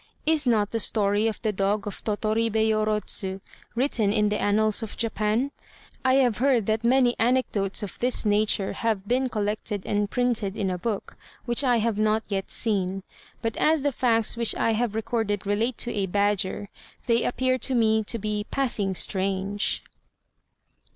Is not the story of the dog of Totoribé Yorodzu written in the Annals of Japan? I have heard that many anecdotes of this nature have been collected and printed in a book, which I have not yet seen; but as the facts which I have recorded relate to a badger, they appear to me to be passing strange.